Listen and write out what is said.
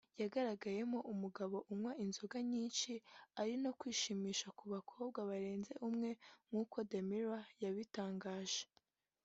yagaragayemo umugabo wanywaga inzoga nyinshi ari nako yishimisha ku bakobwa barenze umwe nkuko The Mirror yabitangaje